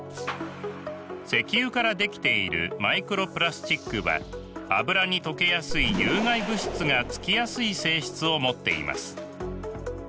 石油からできているマイクロプラスチックは油に溶けやすい有害物質が付きやすい性質を持っています。